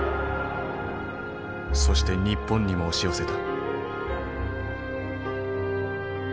そして日本にも押し寄せた。